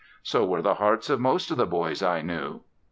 So were the hearts of most of the boys I knew."